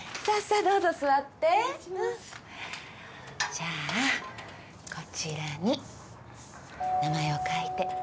じゃあこちらに名前を書いて。